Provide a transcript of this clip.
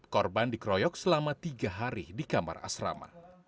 korban dikeroyok selama tiga hari di kamar asrama